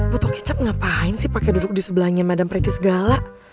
butuh kecap ngapain sih pake duduk disebelahnya madame pretty segala